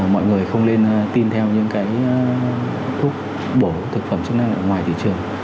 mọi người không nên tin theo những cái thuốc bổ thực phẩm chức năng ở ngoài thị trường